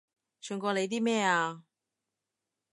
串過你啲咩啊